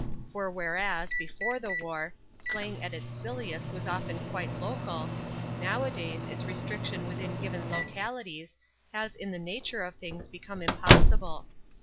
For whereas, before the war, slang at its silliest was often quite local, nowadays its restriction within given localities has in the nature of things become impossible.